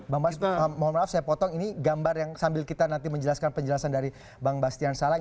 bang bas mohon maaf saya potong ini gambar yang sambil kita nanti menjelaskan penjelasan dari bang bastian salang